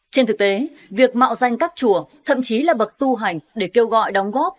trên thực tế việc mạo danh các chùa thậm chí là bậc tu hành để kêu gọi đóng góp